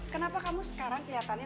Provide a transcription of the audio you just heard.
kenapa kamu sekarang kelihatannya